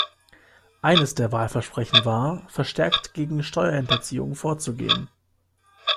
Eines der Wahlversprechen war, verstärkt gegen Steuerhinterziehung vorzugehen.